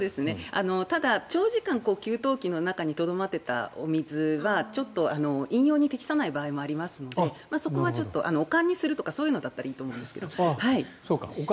ただ、長時間給湯器の中にとどまってたお水はちょっと飲用に適さない場合もありますのでそこはお燗にするとかそういうのだったらいいと思いますが。